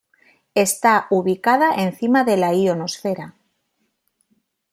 Está ubicada encima de la ionosfera.